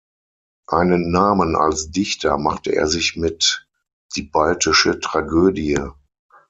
Einen Namen als Dichter machte er sich mit "Die baltische Tragödie".